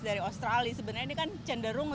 dari australia sebenarnya ini kan cenderung